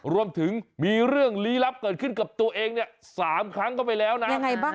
รวมถึงมีเรื่องลี้ลับเกิดขึ้นกับตัวเอง๓ครั้งก็ไปแล้วนะ